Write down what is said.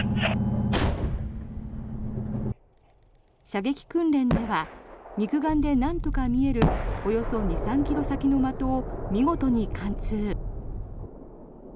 射撃訓練では肉眼でなんとか見えるおよそ２３ｋｍ先の的を見事に貫通。